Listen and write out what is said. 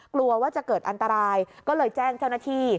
กลัวว่าจะเกิดอันตรายก็เลยแจ้งเจ้าหน้าที่